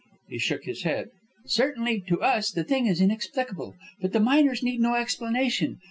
He shook his head. "Certainly, to us the thing is inexplicable; but the miners need no explanation.